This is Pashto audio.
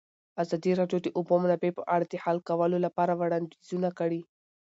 ازادي راډیو د د اوبو منابع په اړه د حل کولو لپاره وړاندیزونه کړي.